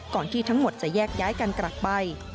ที่ทั้งหมดจะแยกย้ายกันกลับไป